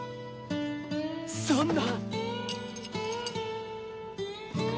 そんな！